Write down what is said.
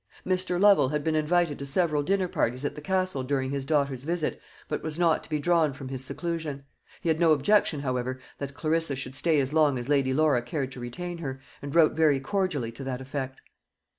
Mr. Lovel had been invited to several dinner parties at the Castle during his daughter's visit, but was not to be drawn from his seclusion. He had no objection, however, that Clarissa should stay as long as Lady Laura cared to retain her, and wrote very cordially to that effect.